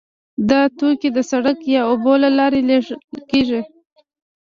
دا توکي د سړک یا اوبو له لارې لیږل کیږي